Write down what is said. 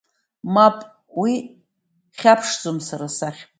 Мап уи хьаԥшӡом сара сахь…